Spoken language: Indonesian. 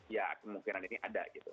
ya kemungkinan ini ada gitu